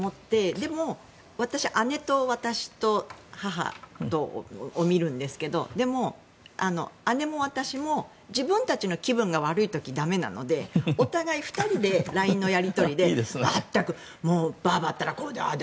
でも、姉と私で母を診るんですけどでも、姉も私も自分たちの気分が悪い時はだめなのでお互い２人でＬＩＮＥのやり取りで全く、もうばあばってああだ